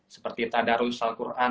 seperti tadarus salquran